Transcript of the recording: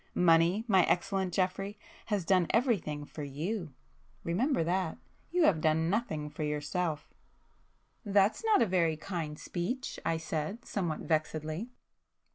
Money, my excellent Geoffrey, has done everything for you,—remember that!—you have done nothing for yourself." "That's not a very kind speech,"—I said, somewhat vexedly.